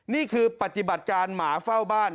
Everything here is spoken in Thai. นี่คือปฏิบัติการหมาเฝ้าบ้าน